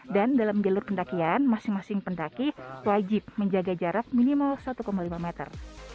dan dalam jalur pendakian masing masing pendaki wajib menjaga jarak minimal satu lima meter